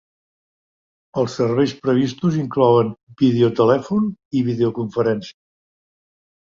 Els serveis previstos inclouen videotelèfon i videoconferència.